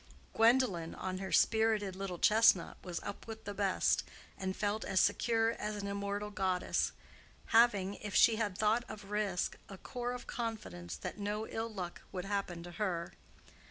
Gwendolen on her spirited little chestnut was up with the best, and felt as secure as an immortal goddess, having, if she had thought of risk, a core of confidence that no ill luck would happen to her.